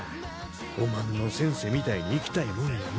おまんのセンセみたいに生きたいもんやの。